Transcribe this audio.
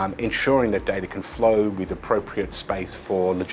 membuat keberadaan pasar karena banyak perjalanan terjadi sekarang